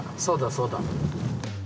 そうだそうだ。